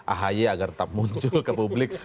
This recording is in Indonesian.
ahy agar tetap muncul ke publik